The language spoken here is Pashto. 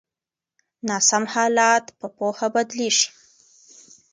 ناسم حالات په پوهه بدلیږي.